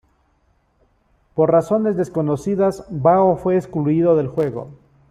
Por razones desconocidas, Bao fue excluido del juego.